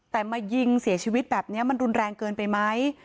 แต่มายิงเสียชีวิตแบบนี้มันรุนแรงเกินไปไหม